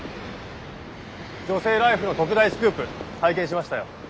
「女性ＬＩＦＥ」の特大スクープ拝見しましたよ。